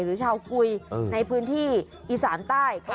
หรือชาวกุยในพื้นที่อีสานใต้